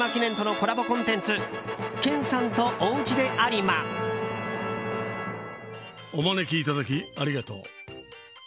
コンテンツお招きいただきありがとう。